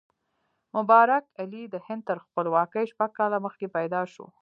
مبارک علي د هند تر خپلواکۍ شپږ کاله مخکې پیدا شو.